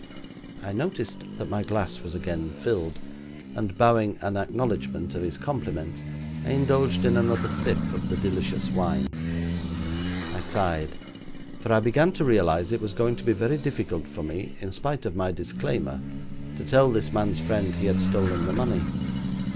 I noticed that my glass was again filled, and bowing an acknowledgment of his compliment, I indulged in another sip of the delicious wine. I sighed, for I began to realise it was going to be very difficult for me, in spite of my disclaimer, to tell this man's friend he had stolen the money.